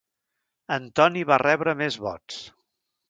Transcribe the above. Antoni var rebre més vots.